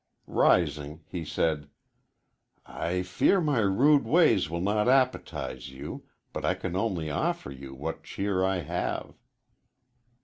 Rising he said: "I fear my rude ways will not appetize you, but I can only offer you what cheer I have."